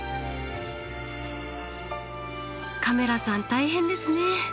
カメラさん大変ですね。